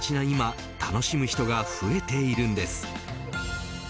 今楽しむ人が増えているんです。